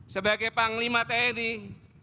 sebagai panglima tni sekaligus